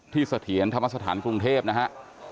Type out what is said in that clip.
ที่เสถียรธรรมสถานกรุงเทพฯนะครับ